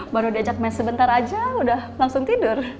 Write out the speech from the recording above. baru diajak mes sebentar aja udah langsung tidur